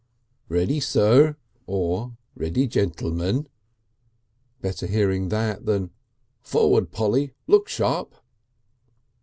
"Ready, Sir!" or "Ready, Gentlemen." Better hearing that than "Forward Polly! look sharp!"